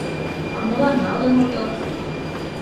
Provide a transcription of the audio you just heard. — А молан налын отыл?